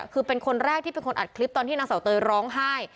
คือเป็นคนแรกที่เป็นคนอัดคลิปตอนที่นางเสาเตยร้องไห้